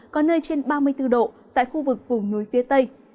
có nơi trên ba mươi bốn độ tại khu vực vùng núi phía tây